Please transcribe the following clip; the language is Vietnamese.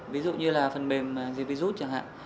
ví dụ như là phần mềm diệt virus chẳng hạn